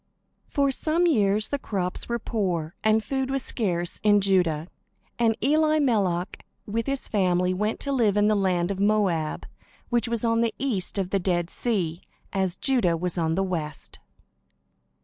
For some years the crops were poor, and food was scarce in Judah; and Elimelech with his family went to live in the land of Moab, which was on the east of the Dead Sea, as Judah was on the west.